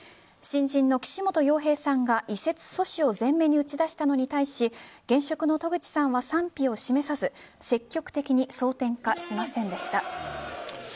新人の岸本洋平さんが移設阻止を前面に打ち出したのに対し現職の渡具知さんは賛否を示さず積極的に争点化しませんでした。